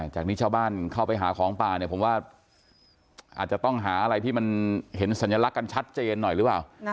จากนี้ชาวบ้านเข้าไปหาของป่าเนี่ยผมว่าอาจจะต้องหาอะไรที่มันเห็นสัญลักษณ์กันชัดเจนหน่อยหรือเปล่า